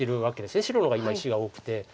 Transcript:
白の方が今石が多くて。